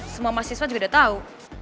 semua mahasiswa juga udah tau